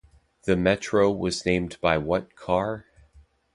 The Metro was named by What Car?